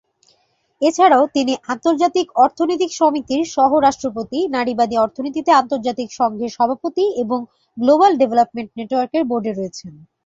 এছাড়াও, তিনি আন্তর্জাতিক অর্থনৈতিক সমিতির সহ-রাষ্ট্রপতি, নারীবাদী অর্থনীতিতে আন্তর্জাতিক সংঘের সভাপতি, এবং গ্লোবাল ডেভলপমেন্ট নেটওয়ার্কের বোর্ডে রয়েছেন।